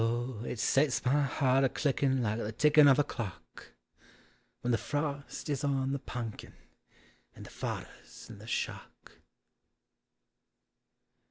— 0, it sets my hart a clickin' like the tickin' of a clock, When the frost is on the punkin and the fodder 9 s in the shock.